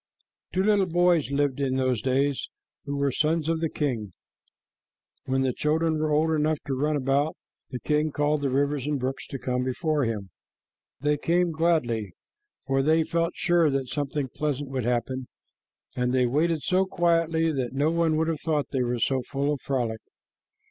Two little boys lived in those days who were sons of the king. When the children were old enough to run about, the king called the rivers and brooks to come before him. They came gladly, for they felt sure that something pleasant would happen, and they waited so quietly that no one would have thought they were so full of frolic.